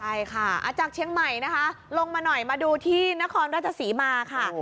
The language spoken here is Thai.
ใช่ค่ะจากเชียงใหม่นะคะลงมาหน่อยมาดูที่นครราชศรีมาค่ะ